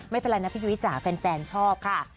ไม่เป็นไรนะพี่ยุ้ยจ๋าแฟนชอบค่ะ